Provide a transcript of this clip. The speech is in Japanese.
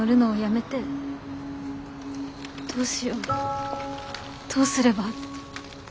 どうしようどうすれば。